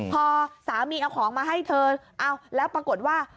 พอสามีเอาของมาให้เธอเอาแล้วปรากฏว่า